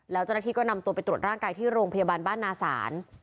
แล้วเจ้าหน้าที่ก็นำตัวไปตรวจร่างกายที่โรงพยาบาลบ้านนาศาล